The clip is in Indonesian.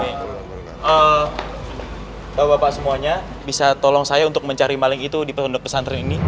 bapak bapak semuanya bisa tolong saya untuk mencari maling itu di pondok pesantren ini